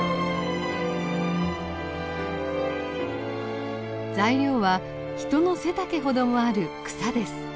材料は人の背丈ほどもある草です。